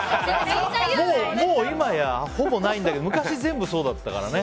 もう今や、ほぼないけど昔、全部そうだったからね。